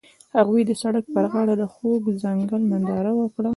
هغوی د سړک پر غاړه د خوږ ځنګل ننداره وکړه.